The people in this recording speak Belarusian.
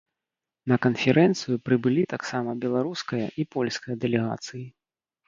На канферэнцыю прыбылі таксама беларуская і польская дэлегацыі.